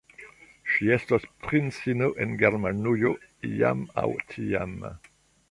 Ŝi estos princino en Germanujo, iam aŭ tiam.